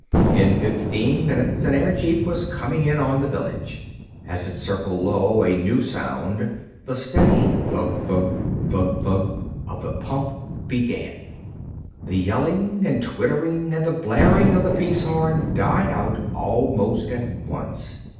In fifteen minutes, an airjeep was coming in on the village. As it circled low, a new sound, the steady thugg thugg, thugg thugg of the pump, began. The yelling and twittering and the blaring of the peace horn died out almost at once.